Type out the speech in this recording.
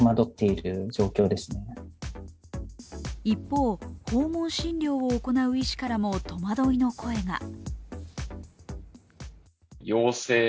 一方、訪問診療を行う医師からも戸惑いの声が。